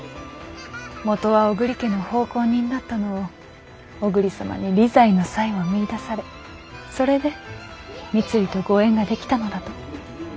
もとは小栗家の奉公人だったのを小栗様に理財の才を見いだされそれで三井とご縁が出来たのだと。